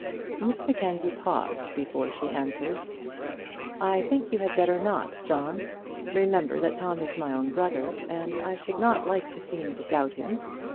Miss Mackenzie paused before she answered: "I think you had better not, John. Remember that Tom is my own brother, and I should not like to seem to doubt him.